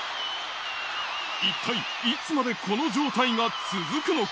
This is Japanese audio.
一体いつまでこの状態が続くのか？